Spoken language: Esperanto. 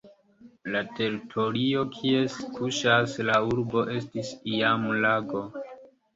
La teritorio kie kuŝas la urbo estis iam lago.